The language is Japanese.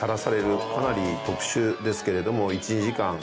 かなり特殊ですけれども。